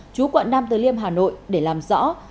chú quận năm tờ liêm hà nội để làm rõ